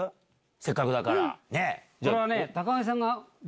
せっかくだからね。